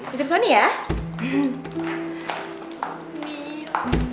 hitam sony ya